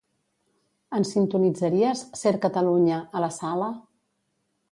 Ens sintonitzaries "Ser Catalunya" a la sala?